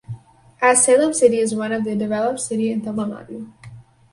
As Salem city is one of the developed city in Tamilnadu.